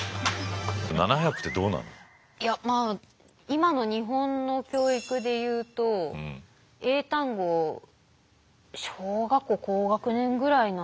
いやまあ今の日本の教育で言うと英単語を小学校高学年ぐらいなんですかね。